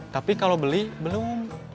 tapi kalau beli belum